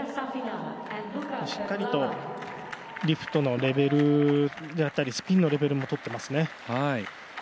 しっかりとリフトのレベルやスピンのレベルも取っていますね。